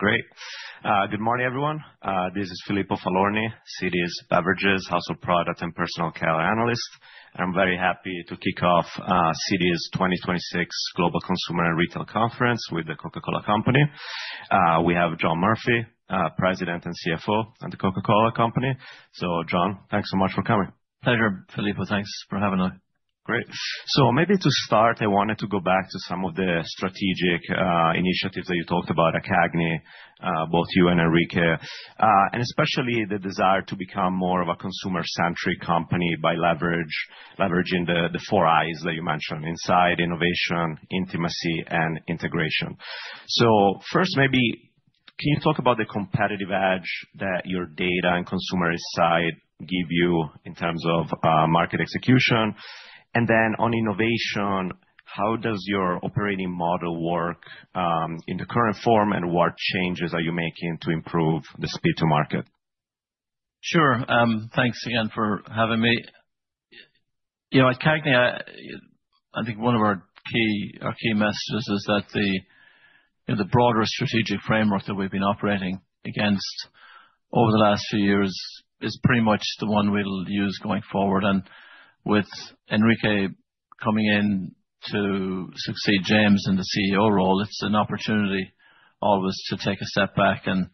Great. Good morning, everyone. This is Filippo Falorni, Citi's Beverages, Household Products and Personal Care Analyst. I'm very happy to kick off Citi's 2026 Global Consumer and Retail Conference with The Coca-Cola Company. We have John Murphy, President and CFO at The Coca-Cola Company. John, thanks so much for coming. Pleasure, Filippo. Thanks for having us. Great. Maybe to start, I wanted to go back to some of the strategic initiatives that you talked about at CAGNY, both you and Henrique. Especially the desire to become more of a consumer-centric company by leveraging the four I's that you mentioned: insight, innovation, intimacy, and integration. First, maybe can you talk about the competitive edge that your data and consumerist side give you in terms of market execution? Then on innovation, how does your operating model work in the current form, and what changes are you making to improve the speed to market? Sure. Thanks again for having me. You know, at CAGNY, I think one of our key messages is that, you know, the broader strategic framework that we've been operating against over the last few years is pretty much the one we'll use going forward. With Henrique coming in to succeed James in the CEO role, it's an opportunity always to take a step back and,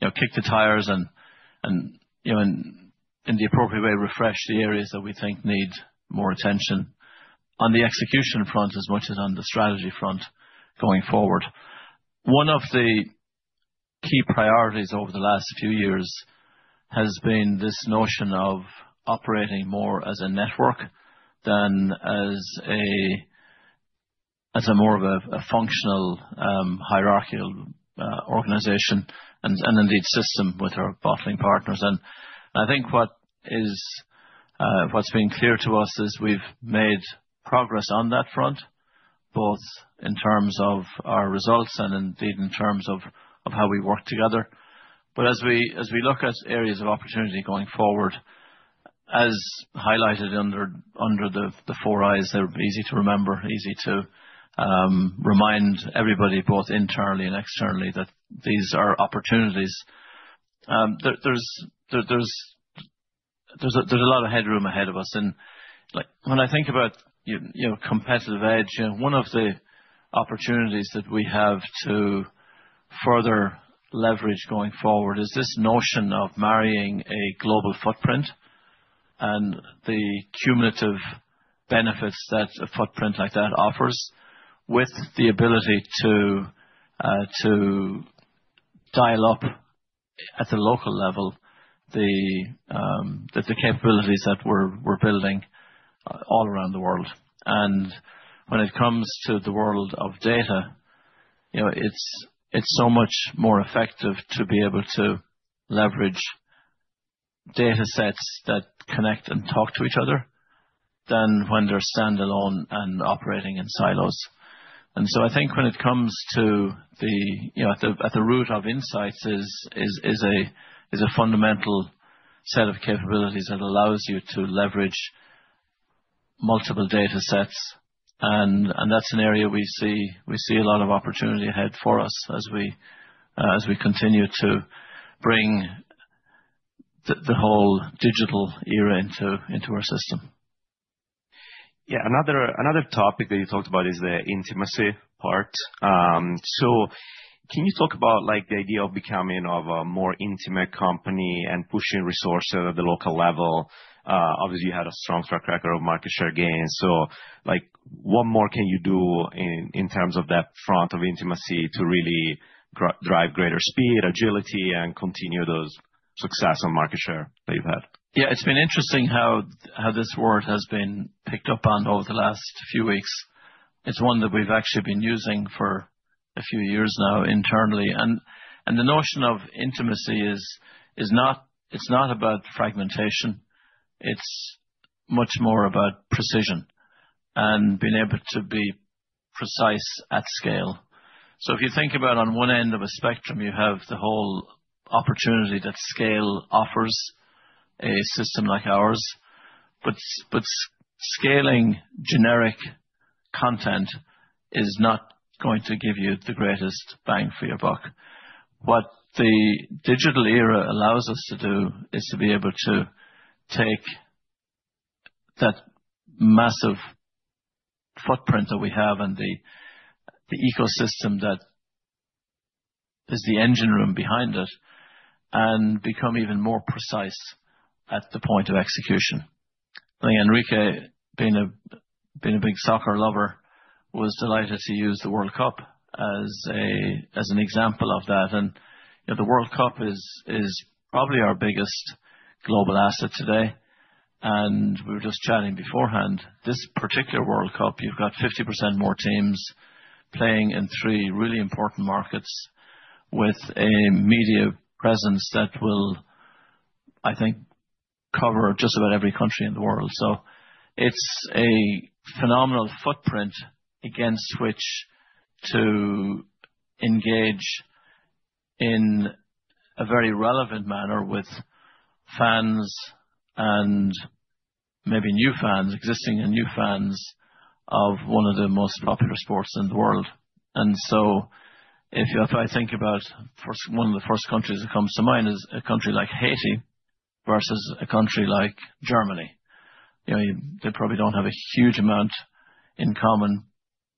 you know, kick the tires and, you know, in the appropriate way, refresh the areas that we think need more attention on the execution front as much as on the strategy front going forward. One of the key priorities over the last few years has been this notion of operating more as a network than as a more of a functional hierarchical organization and indeed system with our bottling partners. I think what is, what's been clear to us is we've made progress on that front, both in terms of our results and indeed in terms of how we work together. As we, as we look at areas of opportunity going forward, as highlighted under the four I's, they're easy to remember, easy to remind everybody, both internally and externally, that these are opportunities. There's a lot of headroom ahead of us. Like, when I think about you know, competitive edge, you know, one of the opportunities that we have to further leverage going forward is this notion of marrying a global footprint and the cumulative benefits that a footprint like that offers with the ability to dial up at a local level, the capabilities that we're building all around the world. When it comes to the world of data, you know, it's so much more effective to be able to leverage data sets that connect and talk to each other than when they're standalone and operating in silos. I think when it comes to the, you know, at the root of insights is a fundamental set of capabilities that allows you to leverage multiple data sets and that's an area we see a lot of opportunity ahead for us as we continue to bring the whole digital era into our system. Yeah. Another topic that you talked about is the intimacy part. Can you talk about, like, the idea of becoming of a more intimate company and pushing resources at the local level? Obviously, you had a strong track record of market share gains. Like, what more can you do in terms of that front of intimacy to really drive greater speed, agility, and continue those success on market share that you've had? Yeah. It's been interesting how this word has been picked up on over the last few weeks. It's one that we've actually been using for a few years now internally. The notion of intimacy is not about fragmentation. It's much more about precision and being able to be precise at scale. If you think about on one end of a spectrum, you have the whole opportunity that scale offers a system like ours, but scaling generic content is not going to give you the greatest bang for your buck. What the digital era allows us to do is to be able to take that massive footprint that we have and the ecosystem that is the engine room behind it and become even more precise at the point of execution. I think Henrique, being a big soccer lover, was delighted to use the World Cup as an example of that. You know, the World Cup is probably our biggest global asset today. We were just chatting beforehand. This particular World Cup, you've got 50% more teams playing in three really important markets with a media presence that will, I think, cover just about every country in the world. It's a phenomenal footprint against which to engage in a very relevant manner with fans and maybe new fans, existing and new fans of one of the most popular sports in the world. If I think about one of the first countries that comes to mind is a country like Haiti versus a country like Germany. You know, they probably don't have a huge amount in common,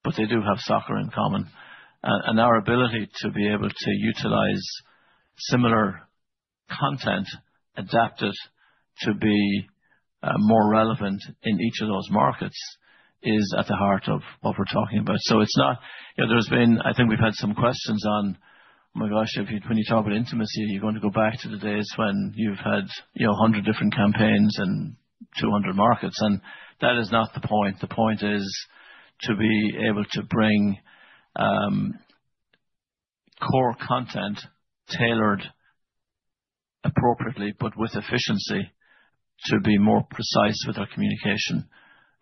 but they do have soccer in common. Our ability to be able to utilize similar content adapted to be more relevant in each of those markets is at the heart of what we're talking about. It's not, you know, there's been—I think we've had some questions on, my gosh, when you talk about intimacy, are you going to go back to the days when you've had, you know, 100 different campaigns in 200 markets? That is not the point. The point is to be able to bring core content tailored appropriately, but with efficiency to be more precise with our communication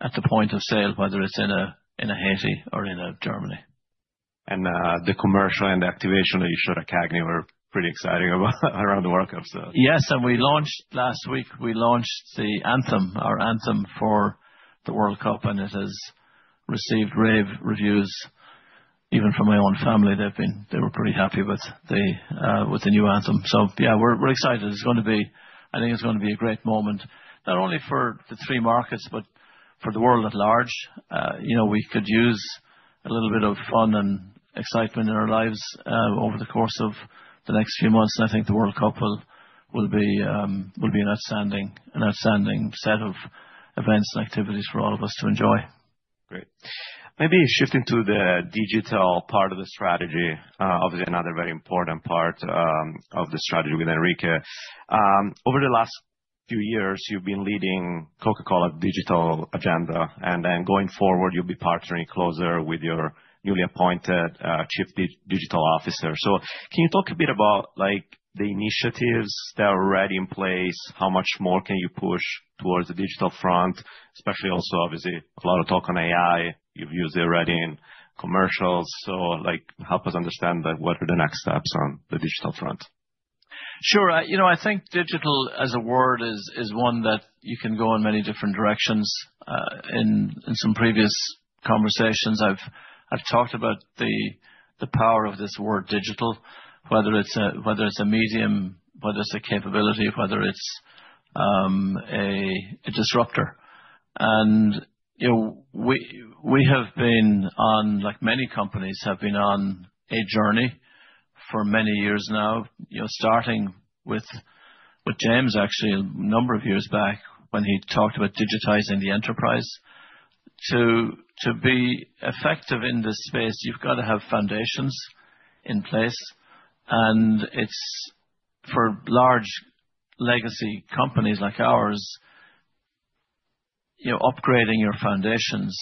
at the point of sale, whether it's in a, in a Haiti or in a Germany. The commercial and activation that you showed at CAGNY were pretty exciting about around the World Cup. Yes. Last week, we launched the anthem, our anthem for the World Cup, and it has received rave reviews even from my own family. They were pretty happy with the new anthem. Yeah, we're excited. I think it's gonna be a great moment, not only for the three markets, but for the world at large. You know, we could use a little bit of fun and excitement in our lives over the course of the next few months. I think the World Cup will be an outstanding set of events and activities for all of us to enjoy. Great. Maybe shifting to the digital part of the strategy, obviously another very important part of the strategy with Henrique. Over the last few years, you've been leading Coca-Cola digital agenda, and then going forward, you'll be partnering closer with your newly appointed Chief Digital Officer. Can you talk a bit about, like, the initiatives that are already in place? How much more can you push towards the digital front, especially also, obviously, a lot of talk on AI. You've used it already in commercials. Like, help us understand, like, what are the next steps on the digital front. Sure. You know, I think digital as a word is one that you can go in many different directions. In some previous conversations, I've talked about the power of this word digital, whether it's a medium, whether it's a capability, whether it's a disruptor. You know, we have been on, like many companies, have been on a journey for many years now, you know, starting with James actually a number of years back when he talked about digitizing the enterprise. To be effective in this space, you've got to have foundations in place. It's for large legacy companies like ours, you know, upgrading your foundations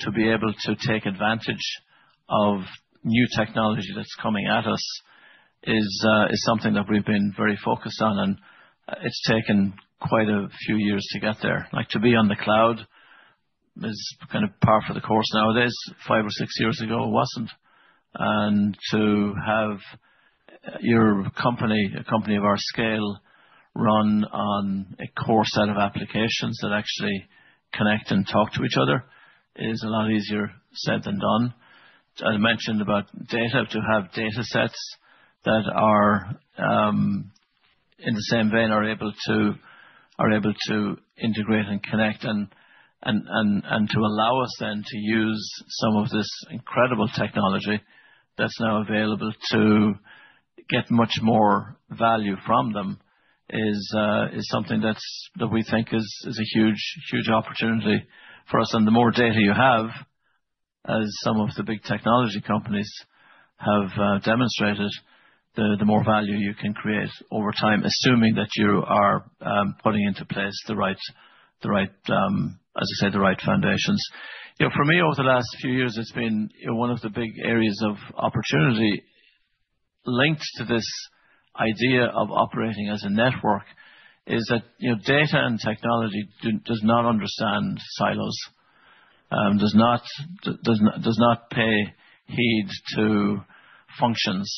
to be able to take advantage of new technology that's coming at us is something that we've been very focused on, and it's taken quite a few years to get there. Like, to be on the cloud is kind of par for the course nowadays. Five or six years ago, it wasn't. To have your company, a company of our scale, run on a core set of applications that actually connect and talk to each other is a lot easier said than done. I mentioned about data, to have datasets that are in the same vein, are able to integrate and connect and to allow us then to use some of this incredible technology that's now available to get much more value from them is something that we think is a huge opportunity for us. The more data you have, as some of the big technology companies have demonstrated, the more value you can create over time, assuming that you are putting into place the right, as I said, the right foundations. You know, for me, over the last few years, it's been, you know, one of the big areas of opportunity linked to this idea of operating as a network is that, you know, data and technology does not understand silos, does not pay heed to functions.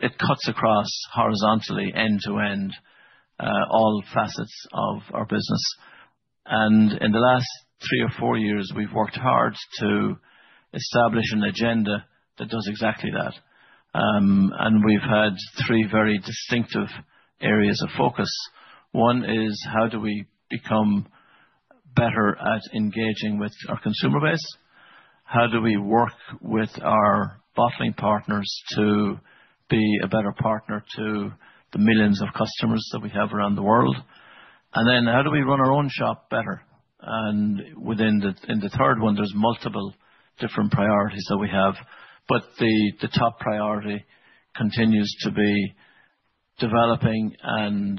It cuts across horizontally end to end, all facets of our business. In the last three or four years, we've worked hard to establish an agenda that does exactly that. We've had three very distinctive areas of focus. One is how do we become better at engaging with our consumer base? How do we work with our bottling partners to be a better partner to the millions of customers that we have around the world? How do we run our own shop better? Within the third one, there's multiple different priorities that we have, but the top priority continues to be developing and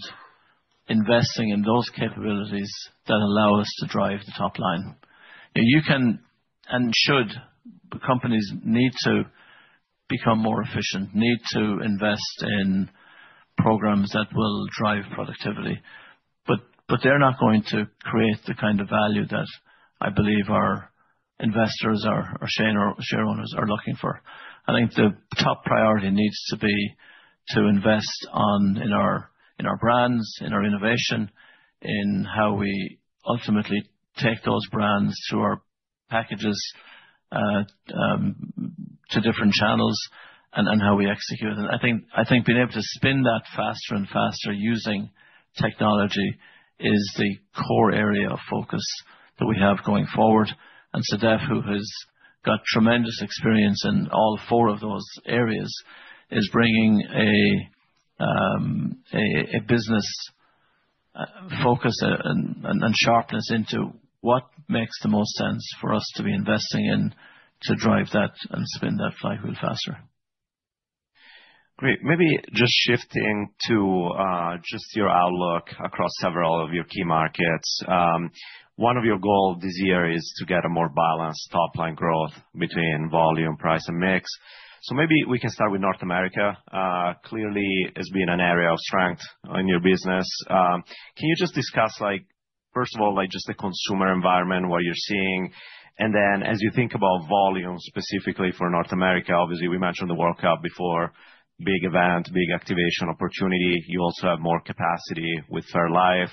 investing in those capabilities that allow us to drive the top line. You can, and should, companies need to become more efficient, need to invest in programs that will drive productivity. They're not going to create the kind of value that I believe our investors or our shareholders are looking for. I think the top priority needs to be to invest in our brands, in our innovation, in how we ultimately take those brands through our packages to different channels and how we execute it. I think being able to spin that faster and faster using technology is the core area of focus that we have going forward. Sedef, who has got tremendous experience in all four of those areas, is bringing a business focus and sharpness into what makes the most sense for us to be investing in to drive that and spin that flywheel faster. Great. Maybe just shifting to just your outlook across several of your key markets. One of your goal this year is to get a more balanced top line growth between volume, price and mix. Maybe we can start with North America, clearly as being an area of strength in your business. Can you just discuss like, first of all, like, just the consumer environment, what you're seeing, and then as you think about volume specifically for North America, obviously we mentioned the World Cup before, big event, big activation opportunity. You also have more capacity with fairlife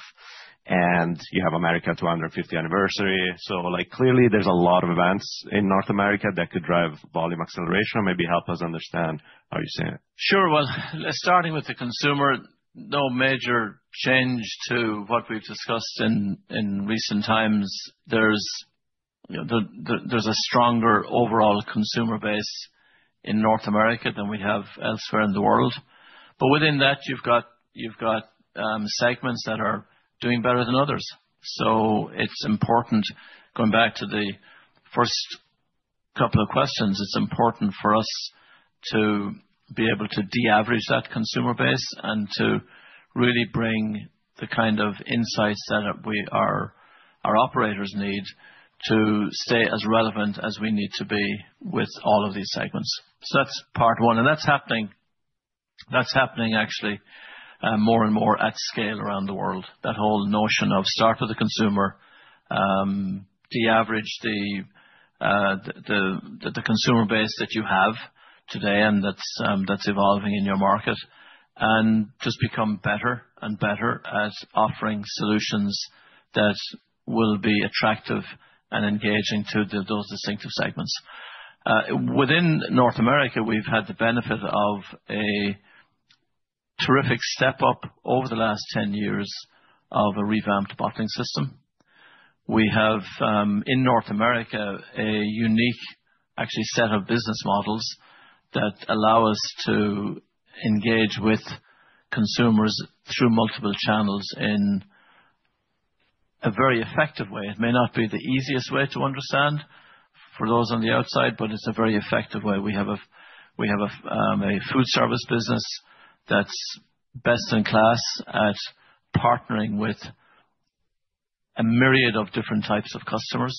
and you have America 250th anniversary. Like, clearly there's a lot of events in North America that could drive volume acceleration or maybe help us understand how you see it. Sure. Well, starting with the consumer, no major change to what we've discussed in recent times. There's a stronger overall consumer base in North America than we have elsewhere in the world. Within that, you've got segments that are doing better than others. It's important going back to the first couple of questions, it's important for us to be able to de-average that consumer base and to really bring the kind of insights that our operators need to stay as relevant as we need to be with all of these segments. That's part one. That's happening actually, more and more at scale around the world. That whole notion of start with the consumer, de-average the consumer base that you have today and that's evolving in your market and just become better and better at offering solutions that will be attractive and engaging to those distinctive segments. Within North America, we've had the benefit of a terrific step up over the last 10 years of a revamped bottling system. We have in North America, a unique actually set of business models that allow us to engage with consumers through multiple channels in a very effective way. It may not be the easiest way to understand for those on the outside, but it's a very effective way. We have a, we have a food service business that's best in class at partnering with a myriad of different types of customers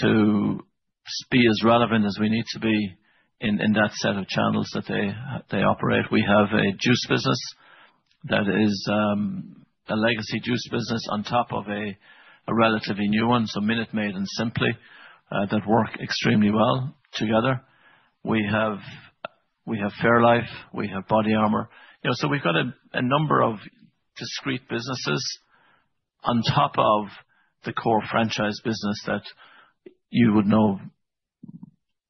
to be as relevant as we need to be in that set of channels that they operate. We have a juice business that is a legacy juice business on top of a relatively new one. So Minute Maid and Simply that work extremely well together. We have fairlife, we have BODYARMOR. You know, so we've got a number of discrete businesses on top of the core franchise business that you would know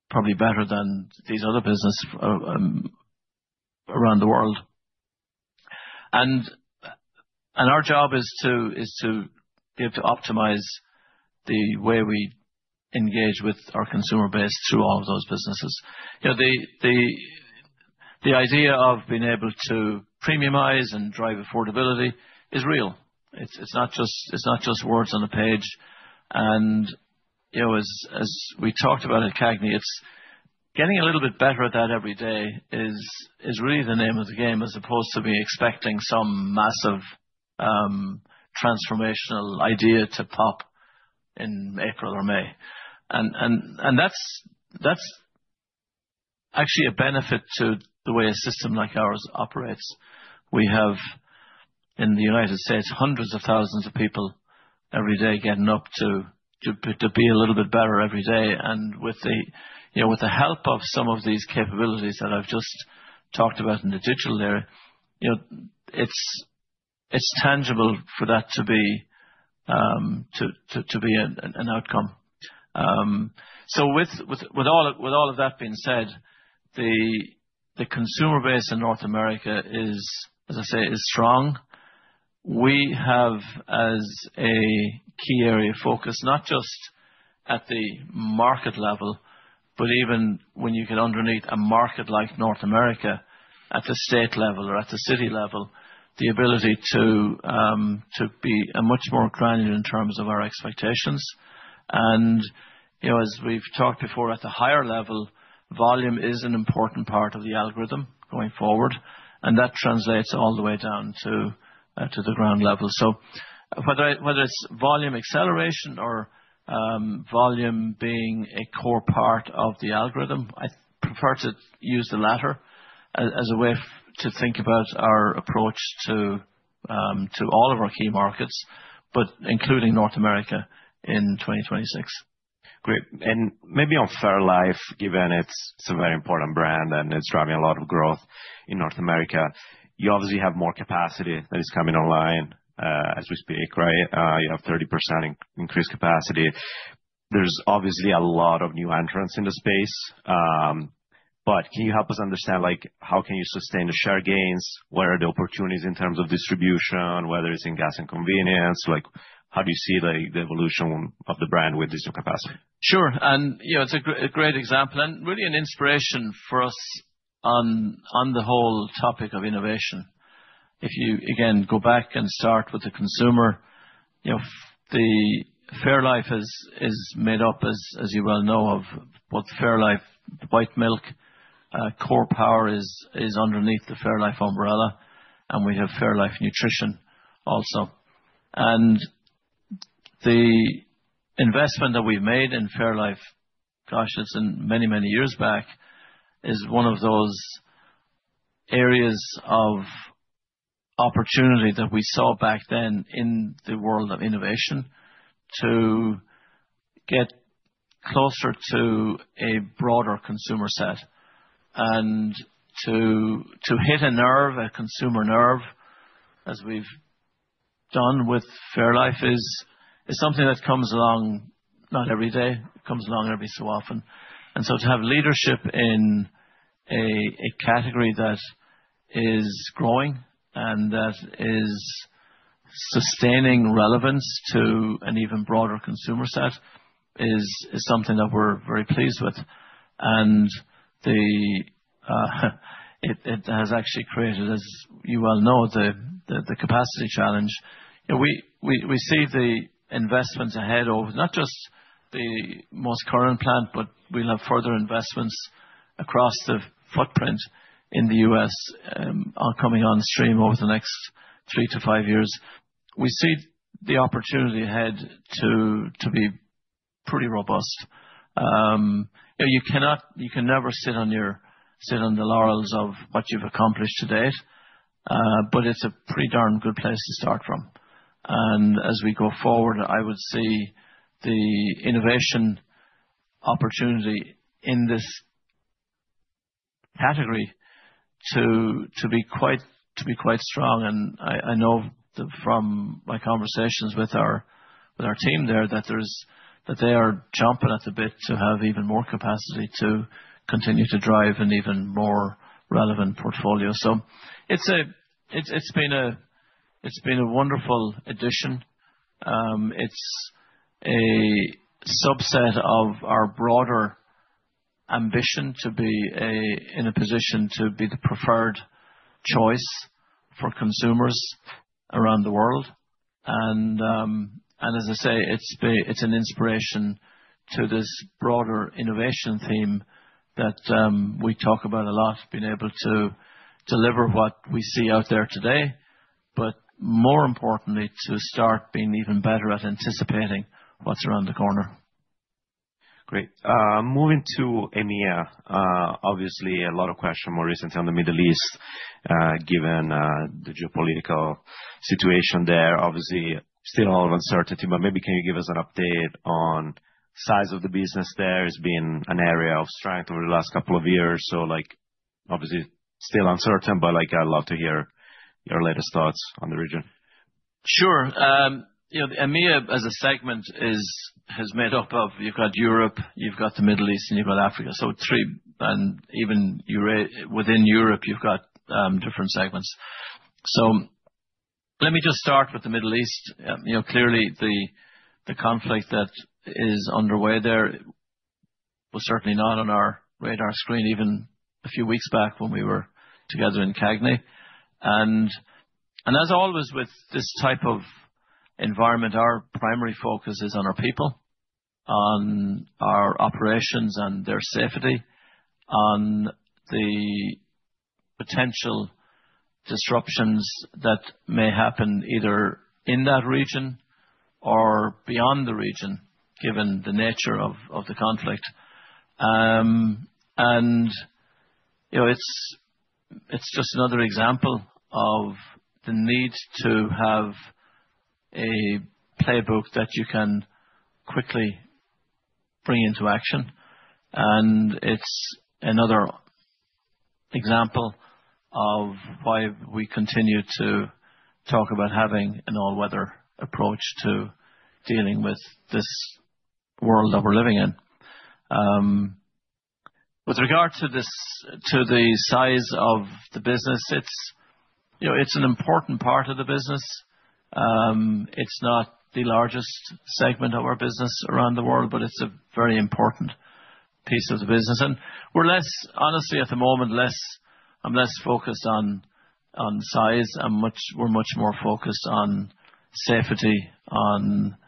probably better than these other business around the world. Our job is to be able to optimize the way we engage with our consumer base through all of those businesses. You know, the idea of being able to premiumize and drive affordability is real. It's not just words on a page. You know, as we talked about at CAGNY, it's getting a little bit better at that every day is really the name of the game, as opposed to be expecting some massive transformational idea to pop in April or May. That's actually a benefit to the way a system like ours operates. We have in the United States, hundreds of thousands of people every day getting up to be a little bit better every day. With the, you know, with the help of some of these capabilities that I've just talked about in the digital area, you know, it's tangible for that to be to be an outcome. With all of that being said, the consumer base in North America is, as I say, is strong. We have as a key area of focus, not just at the market level, but even when you get underneath a market like North America at the state level or at the city level, the ability to be a much more granular in terms of our expectations. You know, as we've talked before at the higher level, volume is an important part of the algorithm going forward. That translates all the way down to the ground level. Whether it's volume acceleration or volume being a core part of the algorithm, I prefer to use the latter as a way to think about our approach to all of our key markets, but including North America in 2026. Great. Maybe on fairlife, given it's a very important brand, and it's driving a lot of growth in North America, you obviously have more capacity that is coming online, as we speak, right? You have 30% increased capacity. There's obviously a lot of new entrants in the space. Can you help us understand, like, how can you sustain the share gains? Where are the opportunities in terms of distribution, whether it's in gas and convenience? Like, how do you see the evolution of the brand with this new capacity? Sure. You know, it's a great example and really an inspiration for us on the whole topic of innovation. If you, again, go back and start with the consumer, you know, the fairlife is made up as you well know, of both fairlife, the white milk, Core Power is underneath the fairlife umbrella, and we have fairlife Nutrition also. The investment that we've made in fairlife, gosh, it's in many years back, is one of those areas of opportunity that we saw back then in the world of innovation to get closer to a broader consumer set. To hit a nerve, a consumer nerve, as we've done with fairlife is something that comes along not every day. It comes along every so often. To have leadership in a category that is growing and that is sustaining relevance to an even broader consumer set is something that we're very pleased with. The, it has actually created, as you well know, the capacity challenge. You know, we see the investments ahead over not just the most current plant, but we'll have further investments across the footprint in the U.S. coming on stream over the next three to five years. We see the opportunity ahead to be pretty robust. You know, you cannot, you can never sit on your laurels of what you've accomplished to date, but it's a pretty darn good place to start from. As we go forward, I would see the innovation opportunity in this category to be quite strong. I know from my conversations with our team there that they are chomping at a bit to have even more capacity to continue to drive an even more relevant portfolio. It's been a wonderful addition. It's a subset of our broader ambition to be in a position to be the preferred choice for consumers around the world. As I say, it's an inspiration to this broader innovation theme that we talk about a lot, being able to deliver what we see out there today, but more importantly, to start being even better at anticipating what's around the corner. Great. Moving to EMEA, obviously a lot of question more recently on the Middle East, given the geopolitical situation there, obviously still a lot of uncertainty. Maybe can you give us an update on size of the business there? It's been an area of strength over the last couple of years, like obviously still uncertain, but like I'd love to hear your latest thoughts on the region. Sure. you know, EMEA as a segment is made up of, you've got Europe, you've got the Middle East, and you've got Africa, so three. Even within Europe, you've got different segments. Let me just start with the Middle East. you know, clearly the conflict that is underway there was certainly not on our radar screen even a few weeks back when we were together in CAGNY. As always with this type of environment, our primary focus is on our people, on our operations and their safety, on the potential disruptions that may happen either in that region or beyond the region, given the nature of the conflict. You know, it's just another example of the need to have a playbook that you can quickly bring into action. It's another example of why we continue to talk about having an all-weather approach to dealing with this world that we're living in. With regard to this, to the size of the business, it's, you know, it's an important part of the business. It's not the largest segment of our business around the world, but it's a very important piece of the business. We're less, honestly at the moment, I'm less focused on size. we're much more focused on safety, on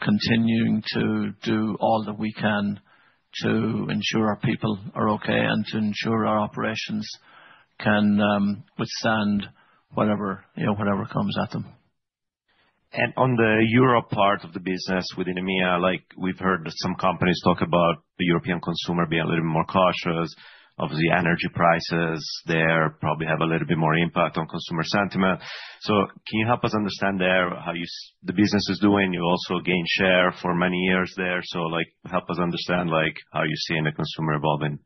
continuing to do all that we can to ensure our people are okay and to ensure our operations can withstand whatever, you know, whatever comes at them. On the Europe part of the business within EMEA, like we've heard some companies talk about the European consumer being a little bit more cautious. Obviously, energy prices there probably have a little bit more impact on consumer sentiment. Can you help us understand there how the business is doing? You also gain share for many years there, like, help us understand, like, how you're seeing the consumer evolving.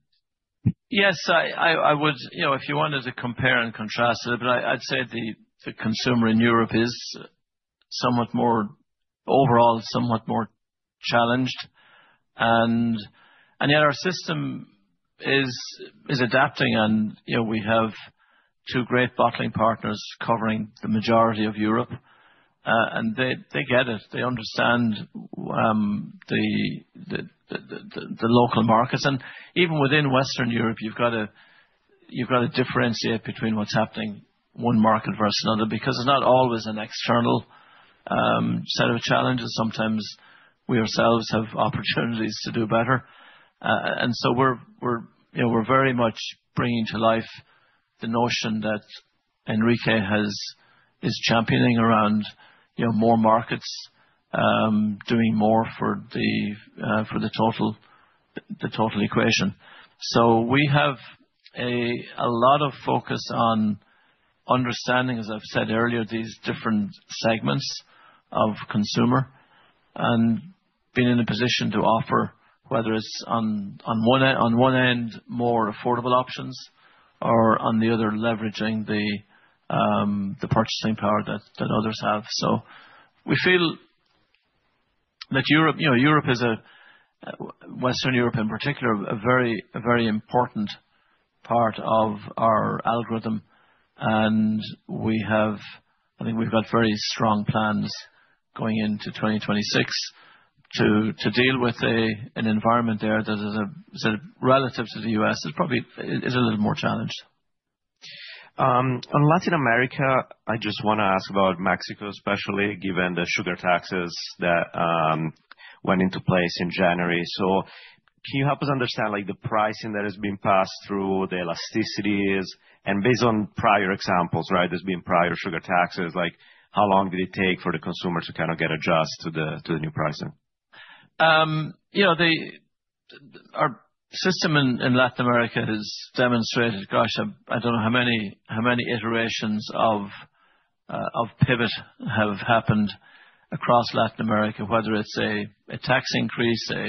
Yes. I would, you know, if you wanted to compare and contrast it, but I'd say the consumer in Europe is somewhat more, overall, somewhat more challenged. Yet our system is adapting and, you know, we have two great bottling partners covering the majority of Europe. They get it. They understand the local markets. Even within Western Europe, you've gotta differentiate between what's happening one market versus another because it's not always an external set of challenges. Sometimes we ourselves have opportunities to do better. So we're, you know, we're very much bringing to life the notion that Henrique is championing around, you know, more markets doing more for the total equation. We have a lot of focus on understanding, as I've said earlier, these different segments of consumer and being in a position to offer, whether it's on one end, more affordable options, or on the other, leveraging the purchasing power that others have. We feel that Europe, you know, Europe is Western Europe in particular, a very important part of our algorithm. We have I think we've got very strong plans going into 2026 to deal with an environment there that is sort of relative to the U.S. is probably a little more challenged. On Latin America, I just wanna ask about Mexico, especially given the sugar taxes that went into place in January. Can you help us understand, like, the pricing that has been passed through, the elasticities? Based on prior examples, right? There's been prior sugar taxes, like, how long did it take for the consumer to kind of get adjusted to the, to the new pricing? You know, Our system in Latin America has demonstrated, I don't know how many, how many iterations of pivot have happened across Latin America, whether it's a tax increase, a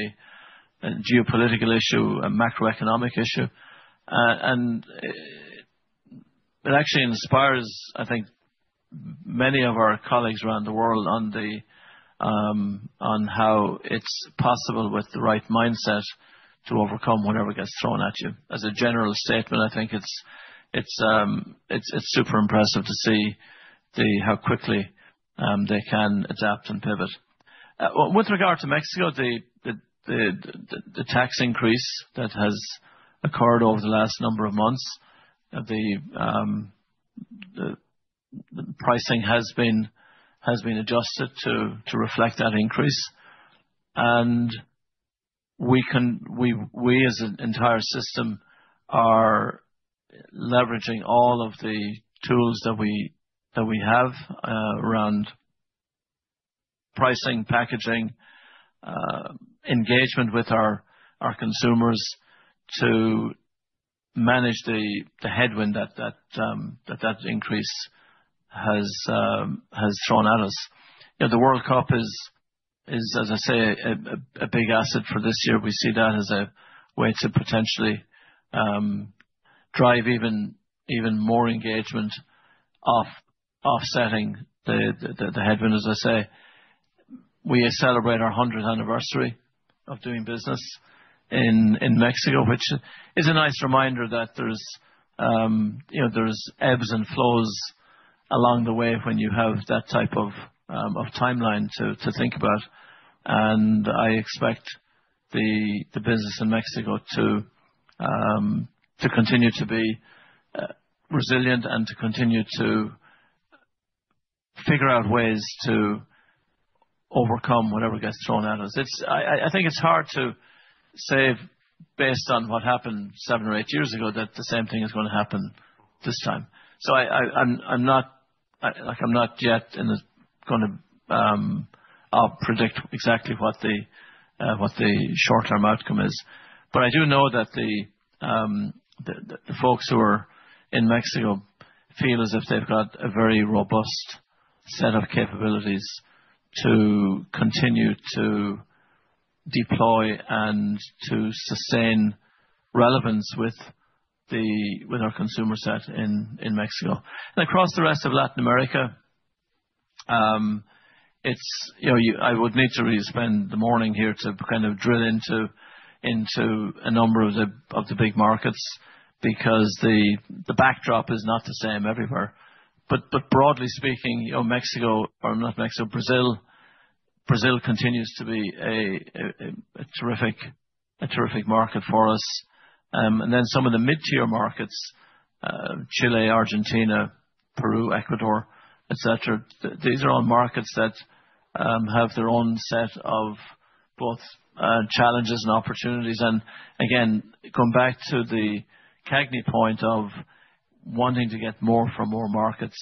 geopolitical issue, a macroeconomic issue. It actually inspires, I think, many of our colleagues around the world on how it's possible with the right mindset to overcome whatever gets thrown at you. As a general statement, I think it's super impressive to see how quickly they can adapt and pivot. With regard to Mexico, the tax increase that has occurred over the last number of months, the pricing has been adjusted to reflect that increase. We can, we as an entire system are leveraging all of the tools that we have around pricing, packaging, engagement with our consumers to manage the headwind that increase has thrown at us. You know, the World Cup is, as I say, a big asset for this year. We see that as a way to potentially drive even more engagement offsetting the headwind, as I say. We celebrate our 100th anniversary of doing business in Mexico, which is a nice reminder that there's, you know, there's ebbs and flows along the way when you have that type of timeline to think about. I expect the business in Mexico to continue to be resilient and to continue to figure out ways to overcome whatever gets thrown at us. It's. I think it's hard to say based on what happened seven or eight years ago, that the same thing is gonna happen this time. I'm not like I'm not yet in the gonna predict exactly what the short-term outcome is. I do know that the folks who are in Mexico feel as if they've got a very robust set of capabilities to continue to deploy and to sustain relevance with our consumer set in Mexico. Across the rest of Latin America, it's, you know, you. I would need to really spend the morning here to kind of drill into a number of the big markets because the backdrop is not the same everywhere. Broadly speaking, you know, Mexico, or not Mexico, Brazil. Brazil continues to be a terrific market for us. Then some of the mid-tier markets, Chile, Argentina, Peru, Ecuador, et cetera, these are all markets that have their own set of both challenges and opportunities, and again, come back to the CAGNY point of wanting to get more from more markets.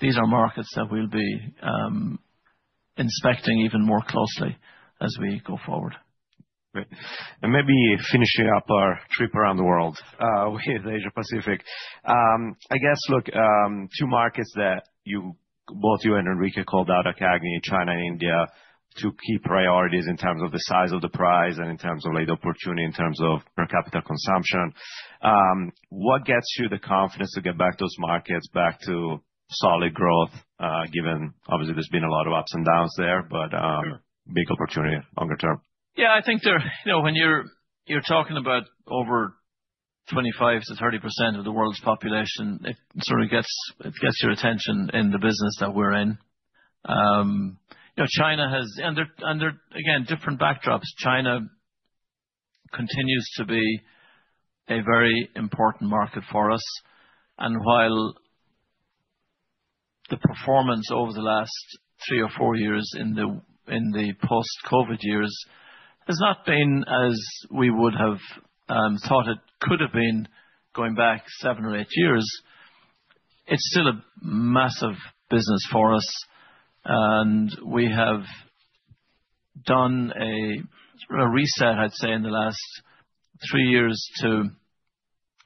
These are markets that we'll be inspecting even more closely as we go forward. Great. Maybe finishing up our trip around the world, with Asia-Pacific. I guess, look, two markets that both you and Henrique called out at CAGNY, China and India, two key priorities in terms of the size of the prize and in terms of like the opportunity, in terms of per capita consumption. What gets you the confidence to get back those markets back to solid growth, given obviously there's been a lot of ups and downs there, but, big opportunity longer term? Yeah, I think there, you know, when you're talking about over 25%-30% of the world's population, it sort of gets your attention in the business that we're in. You know, Under again, different backdrops, China continues to be a very important market for us. While the performance over the last three or four years in the post-COVID years has not been as we would have thought it could have been going back seven or eight years, it's still a massive business for us. We have done a reset, I'd say, in the last three years to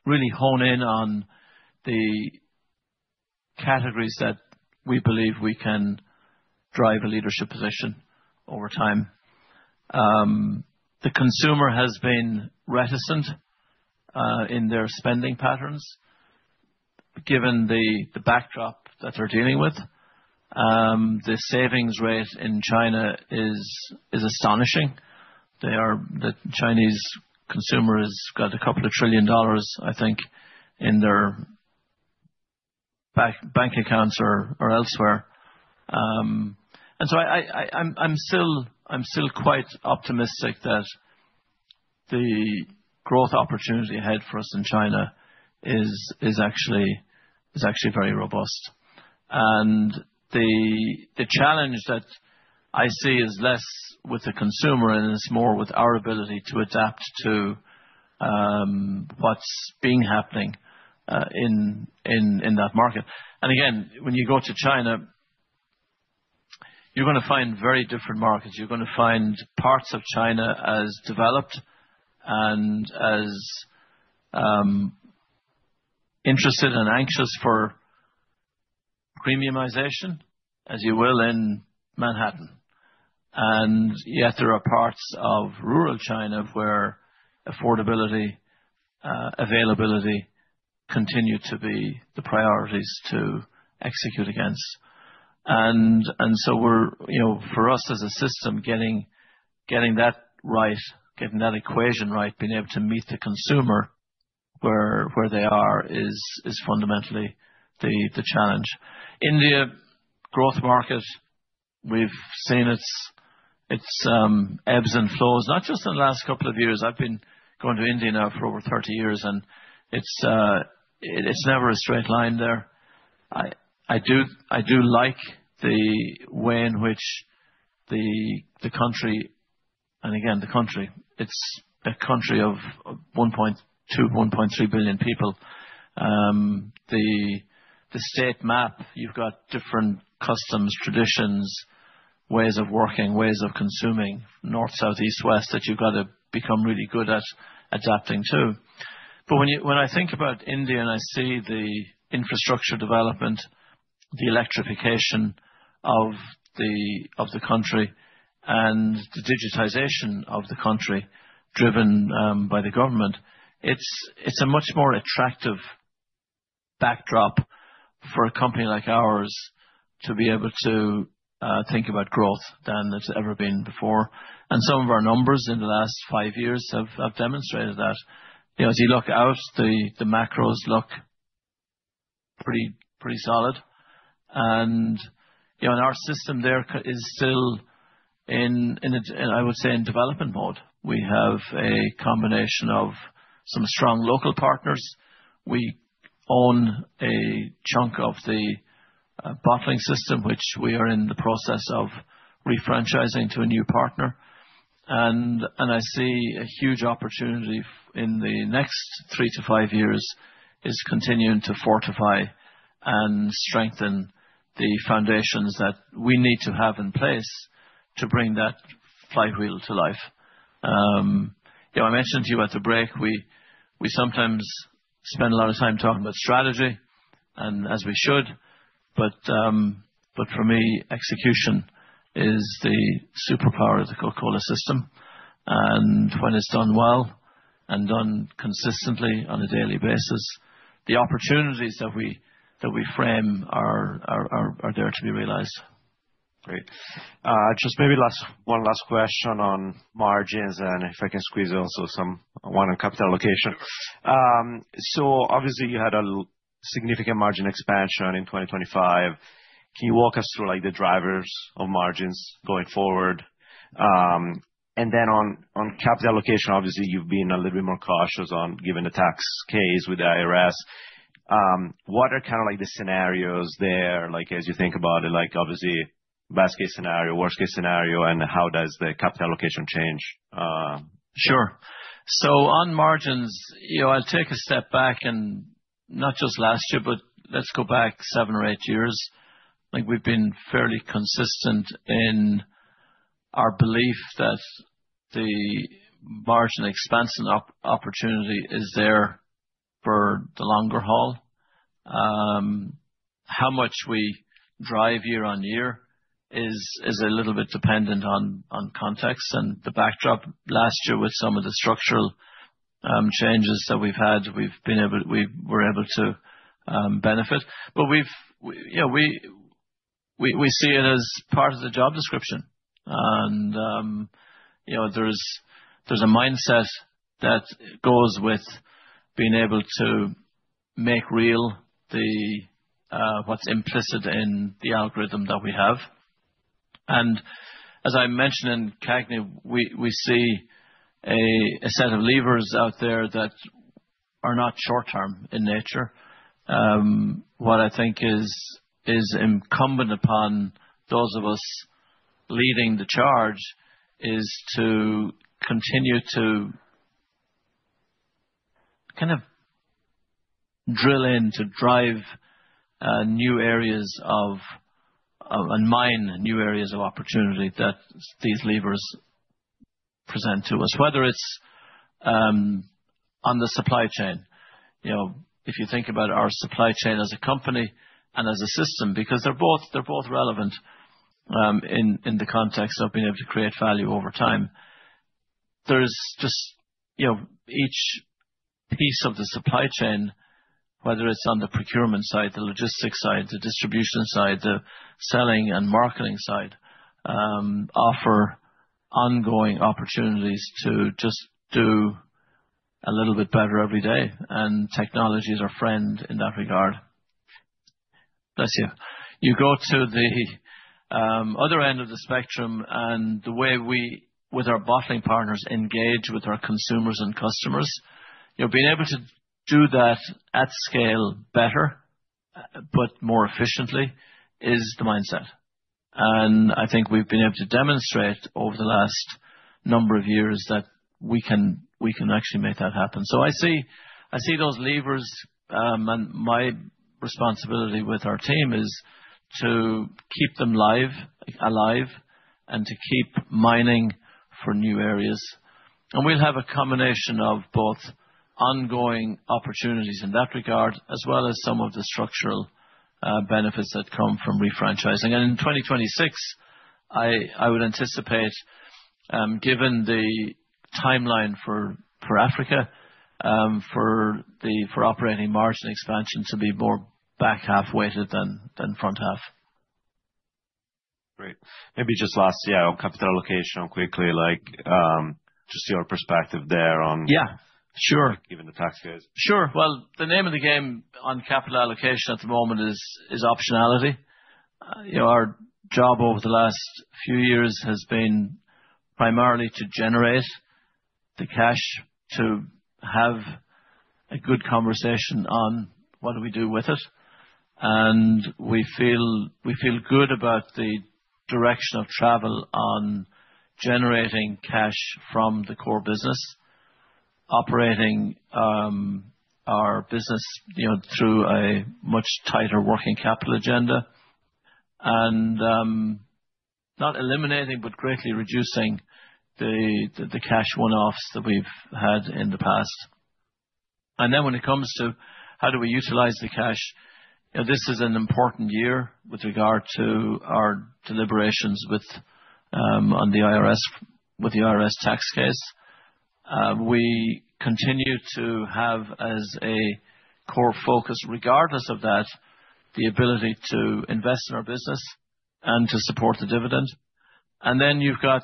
really hone in on the categories that we believe we can drive a leadership position over time. The consumer has been reticent in their spending patterns, given the backdrop that they're dealing with. The savings rate in China is astonishing. The Chinese consumer has got a couple of trillion dollars, I think, in their back-bank accounts or elsewhere. So I'm still quite optimistic that the growth opportunity ahead for us in China is actually very robust. The challenge that I see is less with the consumer and it's more with our ability to adapt to what's been happening in that market. Again, when you go to China, you're gonna find very different markets. You're gonna find parts of China as developed and as interested and anxious for premiumization as you will in Manhattan. Yet there are parts of rural China where affordability, availability continue to be the priorities to execute against. So we're, you know, for us as a system, getting that right, getting that equation right, being able to meet the consumer where they are is fundamentally the challenge. India growth market, we've seen its ebbs and flows, not just in the last couple of years. I've been going to India now for over 30 years, and it's never a straight line there. I do like the way in which the country. Again, the country, it's a country of 1.2, 1.3 billion people. The state map, you've got different customs, traditions, ways of working, ways of consuming, north, south, east, west, that you've got to become really good at adapting to. When I think about India, I see the infrastructure development, the electrification of the country and the digitization of the country driven by the government, it's a much more attractive backdrop for a company like ours to be able to think about growth than it's ever been before. Some of our numbers in the last five years have demonstrated that. You know, as you look out, the macros look pretty solid. You know, our system there is still in a, I would say, in development mode. We have a combination of some strong local partners. We own a chunk of the bottling system, which we are in the process of refranchising to a new partner. I see a huge opportunity in the next three to five years is continuing to fortify and strengthen the foundations that we need to have in place to bring that flywheel to life. You know, I mentioned to you at the break, we sometimes spend a lot of time talking about strategy and as we should, for me, execution is the superpower of the Coca-Cola system. When it's done well and done consistently on a daily basis, the opportunities that we frame are there to be realized. Great. just maybe last, one last question on margins, and if I can squeeze also some, one on capital allocation. Obviously you had significant margin expansion in 2025. Can you walk us through like the drivers of margins going forward? Then on capital allocation, obviously you've been a little bit more cautious on given the tax case with the IRS. What are kind of like the scenarios there, like, as you think about it, like, obviously, Best case scenario, worst case scenario, and how does the capital allocation change? Sure. On margins, you know, I'll take a step back and not just last year, but let's go back seven or eight years. I think we've been fairly consistent in our belief that the margin expansion opportunity is there for the longer haul. How much we drive year on year is a little bit dependent on context and the backdrop. Last year with some of the structural changes that we've had, we were able to benefit. We, you know, we see it as part of the job description and, you know, there's a mindset that goes with being able to make real the what's implicit in the algorithm that we have. As I mentioned in CAGNY, we see a set of levers out there that are not short term in nature. What I think is incumbent upon those of us leading the charge is to continue to, kind of drill in to drive new areas of opportunity that these levers present to us, whether it's on the supply chain. You know, if you think about our supply chain as a company and as a system, because they're both, they're both relevant, in the context of being able to create value over time. There's just, you know, each piece of the supply chain, whether it's on the procurement side, the logistics side, the distribution side, the selling and marketing side, offer ongoing opportunities to just do a little bit better every day. Technology is our friend in that regard. Bless you. You go to the other end of the spectrum and the way we, with our bottling partners, engage with our consumers and customers. You know, being able to do that at scale better, but more efficiently is the mindset. I think we've been able to demonstrate over the last number of years that we can actually make that happen. I see those levers, and my responsibility with our team is to keep them live, alive and to keep mining for new areas. We'll have a combination of both ongoing opportunities in that regard, as well as some of the structural benefits that come from refranchising. In 2026, I would anticipate, given the timeline for Africa, for operating margin expansion to be more back half weighted than front half. Great. Maybe just last, yeah, on capital allocation quickly, like, just your perspective there on— Yeah, sure. —given the tax case. Sure. Well, the name of the game on capital allocation at the moment is optionality. You know, our job over the last few years has been primarily to generate the cash to have a good conversation on what do we do with it. We feel good about the direction of travel on generating cash from the core business, operating our business, you know, through a much tighter working capital agenda. Not eliminating, but greatly reducing the cash one-offs that we've had in the past. When it comes to how do we utilize the cash, this is an important year with regard to our deliberations with on the IRS, with the IRS tax case. We continue to have as a core focus regardless of that, the ability to invest in our business and to support the dividend. You've got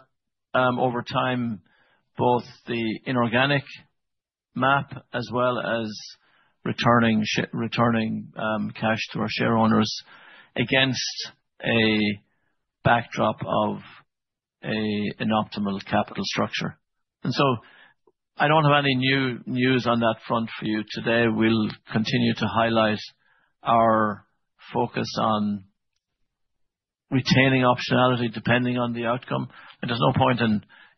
over time, both the inorganic map as well as returning cash to our share owners against a backdrop of an optimal capital structure. I don't have any new news on that front for you today. We'll continue to highlight our focus on retaining optionality depending on the outcome. There's no point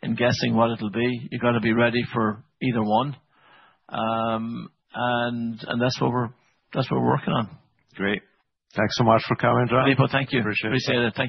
in guessing what it'll be. You've got to be ready for either one. And that's what we're working on. Great. Thanks so much for coming, John. Thank you. Appreciate it. Appreciate it. Thank you.